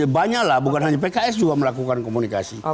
banyak lah bukan hanya pks juga melakukan komunikasi